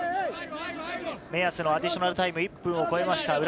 目安のアディショナルタイム１分を超えました。